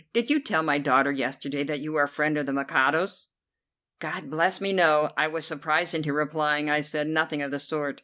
"Did you tell my daughter yesterday that you were a friend of the Mikado's?" "God bless me, no!" I was surprised into replying. "I said nothing of the sort."